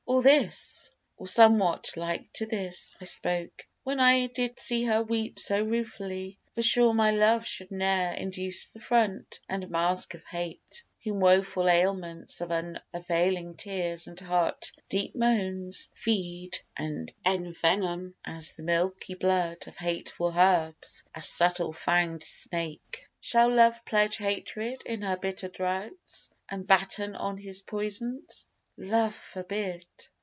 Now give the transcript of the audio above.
Or this, or somewhat like to this, I spoke, When I did see her weep so ruefully; For sure my love should ne'er induce the front And mask of Hate, whom woful ailments Of unavailing tears and heart deep moans Feed and envenom, as the milky blood Of hateful herbs a subtle fanged snake. Shall Love pledge Hatred in her bitter draughts, And batten on his poisons? Love forbid!